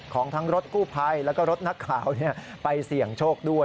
ของทั้งรถกู้ภัยแล้วก็รถนักข่าวไปเสี่ยงโชคด้วย